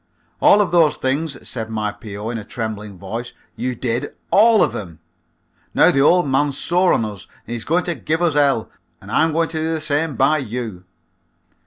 "All of those things," said my P.O. in a trembling voice, "you did. All of 'em. Now the old man's sore on us and he's going to give us hell, and I'm going to do the same by you."